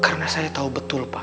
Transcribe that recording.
karena saya tahu betul pak